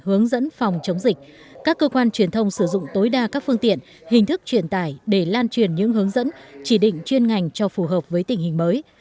hướng dẫn phòng chống dịch các cơ quan truyền thông sử dụng tối đa các phương tiện hình thức truyền tải để lan truyền những hướng dẫn chỉ định chuyên ngành cho phù hợp với tình hình mới